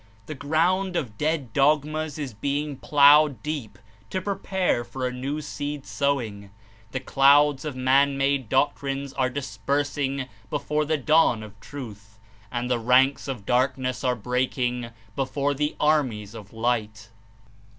The ground of dead dogmas is being ploughed deep to prepare for a new seed sowing; the clouds of man made doctrines are dispersing be fore the dawn of Truth, and the ranks of darkness are breaking before the armies of Light.